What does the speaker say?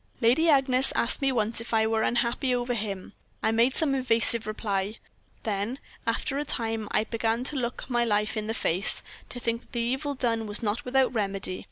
Lady Agnes asked me once if I were unhappy over him. I made some evasive reply. Then, after a time, I began to look my life in the face, to think that the evil done was not without remedy.